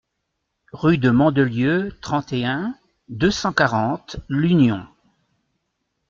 RUE DE MANDELIEU, trente et un, deux cent quarante L'Union